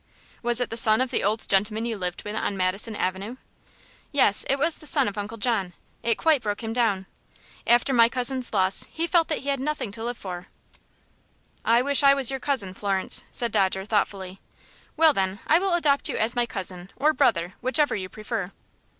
"Was it the son of the old gentleman you lived with on Madison Avenue?" "Yes; it was the son of Uncle John. It quite broke him down. After my cousin's loss he felt that he had nothing to live for." "I wish I was your cousin, Florence," said Dodger, thoughtfully. "Well, then, I will adopt you as my cousin, or brother, whichever you prefer!"